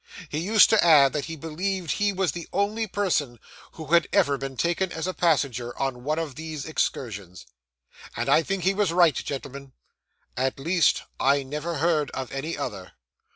He used to add, that he believed he was the only living person who had ever been taken as a passenger on one of these excursions. And I think he was right, gentlemen at least I never heard of any other.